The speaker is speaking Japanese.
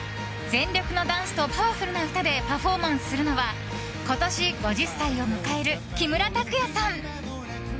全力のダンスとパワフルな歌でパフォーマンスするのは今年５０歳を迎える木村拓哉さん。